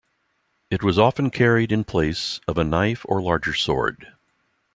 It was often carried in place of a knife or larger sword.